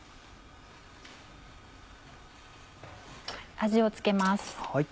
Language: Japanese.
味を付けます。